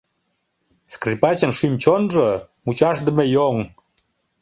Скрипачын шӱм-чонжо — мучашдыме йоҥ.